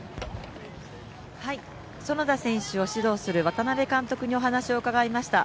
園田選手を指導する渡辺監督にお話を伺いました。